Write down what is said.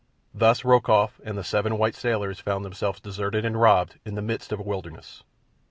Thus Rokoff and the seven white sailors found themselves deserted and robbed in the midst of a wilderness.